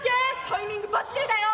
タイミングばっちりだよ！